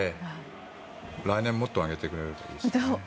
来年、もっと上げてくれるといいですね。